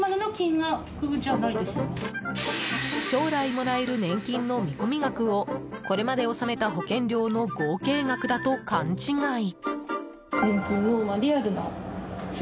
将来もらえる年金の見込み額をこれまで納めた保険料の合計額だと勘違い。